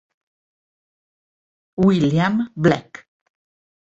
William Black